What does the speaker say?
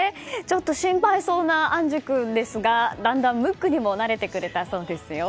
心配そうな安珠君ですがだんだん、ムックにも慣れてくれたそうですよ。